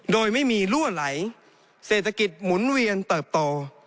โดยไม่มีลั่วไหลเศรษฐกิจหมุนเวียนเติบโต